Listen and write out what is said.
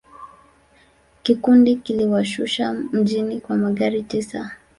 Kikundi kiliwashusha mjini kwa magari tisa.